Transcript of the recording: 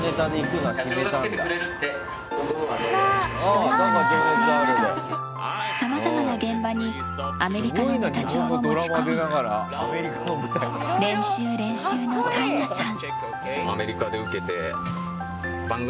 ドラマの撮影などさまざまな現場にアメリカのネタ帳を持ち込み練習、練習のＴＡＩＧＡさん。